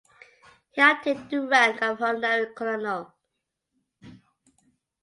He obtained the rank of Honorary Colonel.